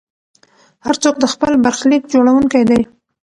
هر څوک د خپل برخلیک جوړونکی دی.